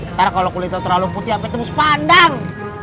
ntar kalo kulit lo terlalu putih sampe temus pandang